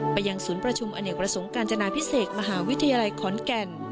ยังศูนย์ประชุมอเนกประสงค์การจนาพิเศษมหาวิทยาลัยขอนแก่น